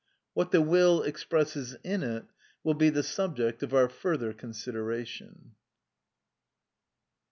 What the will expresses in it will be the subject of our further consideration.